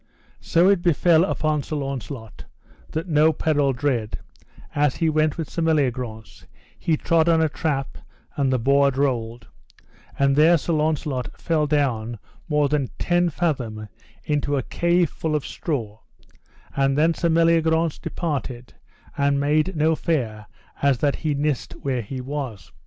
So it befell upon Sir Launcelot that no peril dread, as he went with Sir Meliagrance he trod on a trap and the board rolled, and there Sir Launcelot fell down more than ten fathom into a cave full of straw; and then Sir Meliagrance departed and made no fare as that he nist where he was.